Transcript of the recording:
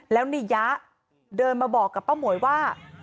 แล้วนายยะเดินมาบอกกับป้าหมวยว่า